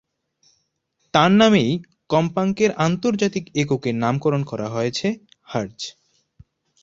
তার নামেই কম্পাঙ্কের আন্তর্জাতিক এককের নামকরণ করা হয়েছে হার্জ।